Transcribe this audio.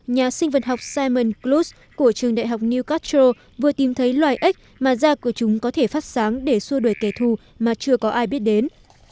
nhà sinh vật học simon kloos của trường đại học newcastle vừa tìm thấy loài ếch mà da của chúng có thể phát sáng để xua đuổi kẻ thù mà chưa có ai biết đến